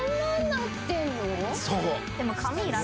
そう。